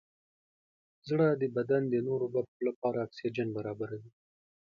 زړه د بدن د نورو برخو لپاره اکسیجن برابروي.